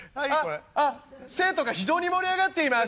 「あっあっ生徒が非常に盛り上がっています」。